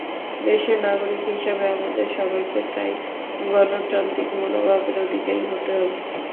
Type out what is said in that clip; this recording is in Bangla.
দেশের নাগরিক হিসেবে আমাদের সবাইকে তাই গণতান্ত্রিক মনোভাবের অধিকারী হতে হবে।